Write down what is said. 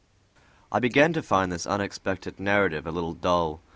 I began to find this unexpected narrative a little dull.